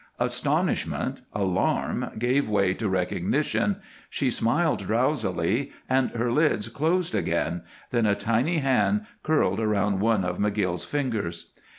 Astonishment, alarm gave way to recognition; she smiled drowsily and her lids closed again, then a tiny hand curled about one of McGill's fingers.